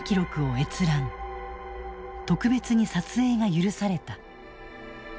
特別に撮影が許された。